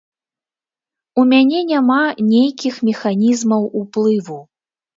У мяне няма нейкіх механізмаў уплыву.